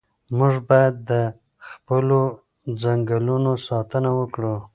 موږ باید د خپلو ځنګلونو ساتنه وکړو.